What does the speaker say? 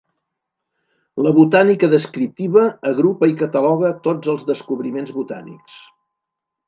La botànica descriptiva agrupa i cataloga tots els descobriments botànics.